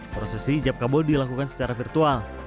prosesi hijab kabul dilakukan secara virtual